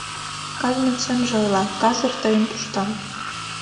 Кажнын сынже ойла: казыр тыйым пуштам.